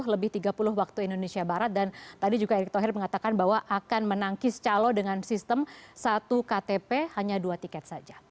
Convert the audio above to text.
lebih tiga puluh waktu indonesia barat dan tadi juga erick thohir mengatakan bahwa akan menangkis calo dengan sistem satu ktp hanya dua tiket saja